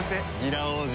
ラ王子。